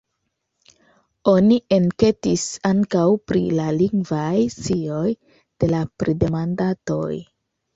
Oni enketis ankaŭ pri la lingvaj scioj de la pridemandatoj.